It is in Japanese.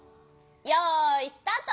よいスタート。